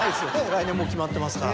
来年もう決まってますから。